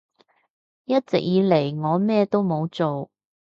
一直以嚟我咩都冇做